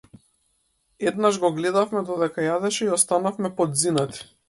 Еднаш го гледавме додека јадеше и останавме подзинати.